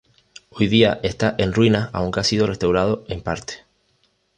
Hoy día está en ruinas aunque ha sido restaurado en parte.